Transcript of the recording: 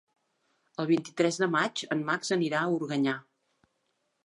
El vint-i-tres de maig en Max anirà a Organyà.